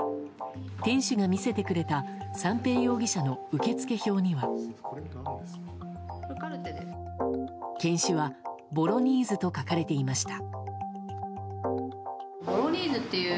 店主が見せてくれた三瓶容疑者の受付票には犬種はボロニーズと書かれていました。